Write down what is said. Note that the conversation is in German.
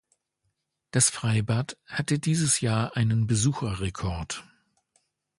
Das Freibad hatte dieses Jahr einen Besucherrekord.